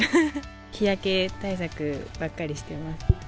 日焼け対策ばっかりしてます。